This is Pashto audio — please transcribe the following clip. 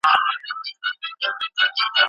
موږ پوښتنې په يو چوکاټ کې راوړو.